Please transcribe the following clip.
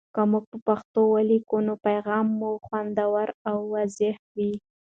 که موږ په پښتو ولیکو، نو پیغام مو خوندور او واضح وي.